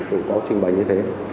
tôi cũng có trình bày như thế